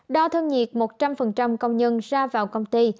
đo thân nhiệt một trăm linh công nhân ra vào công ty